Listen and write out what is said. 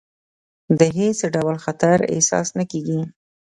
د هېڅ ډول خطر احساس نه کېږي.